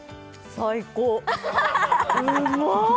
最高うま！